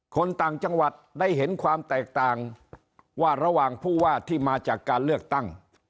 คนต่างจังหวัดได้เห็นความแตกต่างว่าระหว่างผู้ว่าที่มาจากการเลือกตั้ง